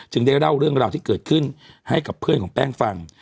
ได้เล่าเรื่องราวที่เกิดขึ้นให้กับเพื่อนของแป้งฟัง